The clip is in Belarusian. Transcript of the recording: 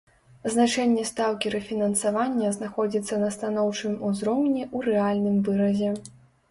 Значэнне стаўкі рэфінансавання знаходзіцца на станоўчым узроўні ў рэальным выразе.